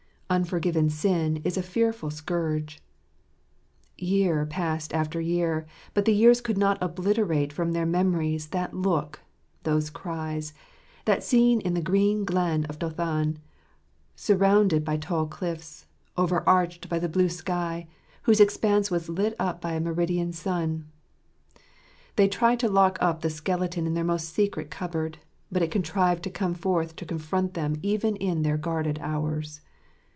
Unforgiven sin is a fearful scourge. Year passed after year; but the years could not obliterate from their memories that look, those cries, that scene in the green glen of Dothan, surrounded by the tall cliffs, over arched by the blue sky, whose expanse was lit up by a meridian sun. They tried to lock up the skeleton in their most secret cupboard, but it contrived to come forth to confront them even in their guarded hours.